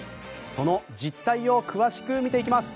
その実態を詳しく見ていきます。